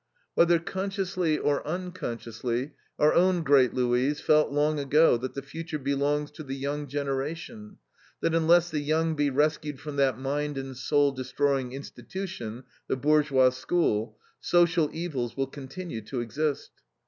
Whether consciously or unconsciously, our own great Louise felt long ago that the future belongs to the young generation; that unless the young be rescued from that mind and soul destroying institution, the bourgeois school, social evils will continue to exist.